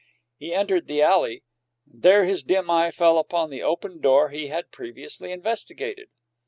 He entered the alley, and there his dim eye fell upon the open door he had previously investigated.